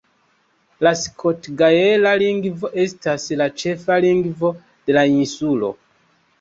La skotgaela lingvo estas la ĉefa lingvo de la insulo.